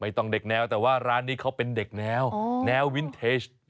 ต้องเด็กแนวแต่ว่าร้านนี้เขาเป็นเด็กแนวแนววินเทจ